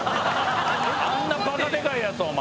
あんなバカでかいやつお前。